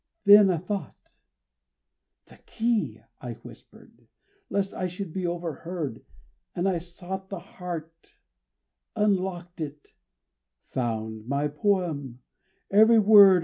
Then a thought "The key," I whispered, lest I should be overheard, And I sought the heart, unlocked it; found my poem every word.